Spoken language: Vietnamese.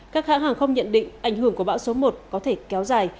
các hãng hàng không nhận định ảnh hưởng của bão số một có thể kéo dài